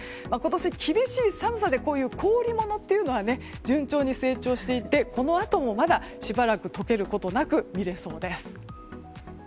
今年、厳しい寒さでこういう氷物というのは順調に成長していてこのあともまだ解けることなく見れそうです。